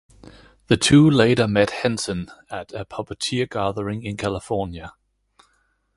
The two later met Henson at a puppeteer gathering in California.